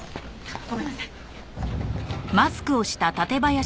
ごめんなさい。